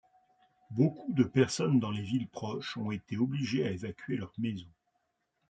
Beaucoup de personnes dans les villes proches ont été obligées à évacuer leurs maisons.